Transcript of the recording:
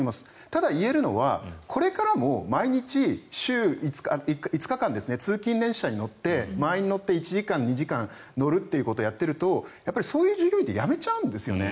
ただ、言えるのはこれからも毎日週５日間、通勤電車に乗って満員電車に乗って１時間、２時間行くということをやっていくとそういう従業員って辞めちゃうんですよね